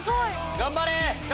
頑張れ！